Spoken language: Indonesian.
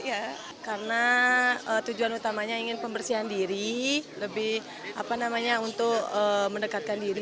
ya karena tujuan utamanya ingin pembersihan diri lebih apa namanya untuk mendekatkan diri